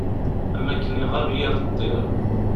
Am akken iɣab yir ṭṭir.